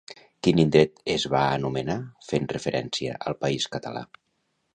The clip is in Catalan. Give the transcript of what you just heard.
Quin indret es va anomenar fent referència al país català?